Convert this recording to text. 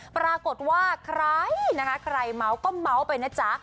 ปรากฏว่าใครนะคะใครเมาส์ก็เมาส์ไปนะจ๊ะ